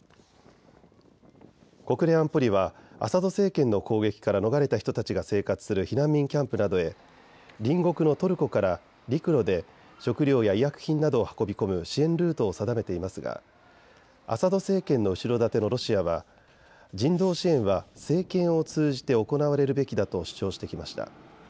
国連安保理はアサド政権の攻撃から逃れた人たちが生活する避難民キャンプなどへ隣国のトルコから陸路で食料や医薬品などを運び込む支援ルートを定めていますがアサド政権の後ろ盾のロシアは人道支援は政権を通じて行われるべきだと主張してきました。